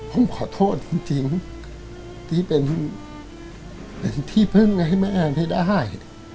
ผมขอโทษจริงที่เป็นที่พึ่งให้แม่แอนให้ได้